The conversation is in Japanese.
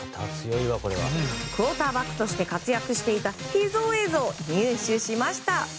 クオーターバックとして活躍していた秘蔵映像を入手しました。